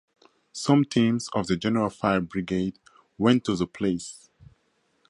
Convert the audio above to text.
Some teams of the Genoa fire brigade went to the place.